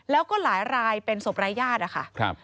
แล้วก็หลายรายเป็นศพรายาทอะค่ะครับ